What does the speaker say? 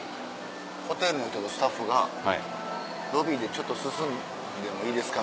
ホテルの人にスタッフがロビーでちょっと涼んでもいいですか？